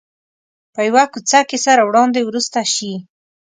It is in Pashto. په یوه کوڅه کې سره وړاندې ورسته شي.